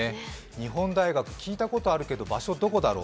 日本大学、聞いたことあるけど場所はどこだろう。